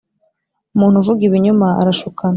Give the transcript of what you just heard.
umuntu uvuga ibinyoma arashukana